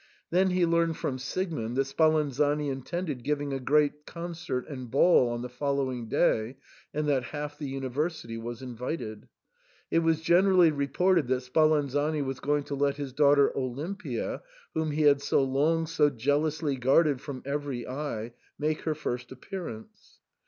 Then he learned from Siegmund that Spalanzani intended giving a great concert and ball on the following day, and that half the university was invited. It was generally reported that Spalanzani was going to let his daughter Olimpia, whom he had so long so jealously guarded from every eye, make her first appearance.